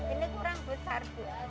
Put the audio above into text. ini kurang besar